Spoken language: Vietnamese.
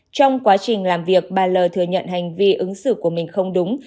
trong quá trình làm việc bà l thừa nhận hành vi ứng xử của mình không đúng